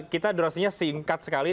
kita durasinya singkat sekali